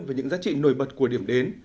về những giá trị nổi bật của điểm đến